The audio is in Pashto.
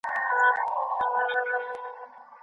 هغه تاریخ چي له څېړونکي سره مرسته کوي باید ولوستل سي.